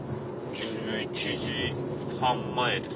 １１時半前です。